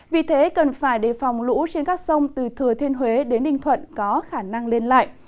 vì thế cần phải đề phòng lũ trên các sông từ thừa thiên huế đến ninh thuận có khả năng lên lại